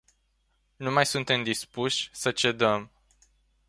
Nu mai suntem dispuși să cedăm.